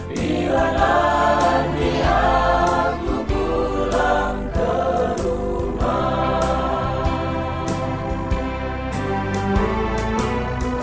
bila nanti aku pulang ke rumah